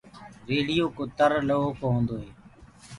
ريڙهيو ڪوُ تر لوه ڪو هوندو هي۔